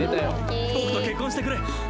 僕と結婚してくれ！